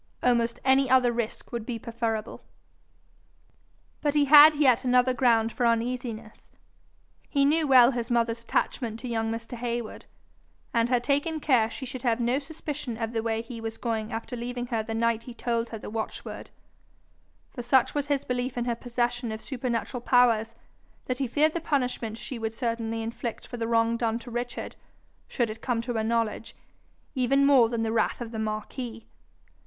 Almost any other risk would be preferable. But he had yet another ground for uneasiness. He knew well his mother's attachment to young Mr. Heywood, and had taken care she should have no suspicion of the way he was going after leaving her the night he told her the watchword; for such was his belief in her possession of supernatural powers, that he feared the punishment she would certainly inflict for the wrong done to Richard, should it come to her knowledge, even more than the wrath of the marquis.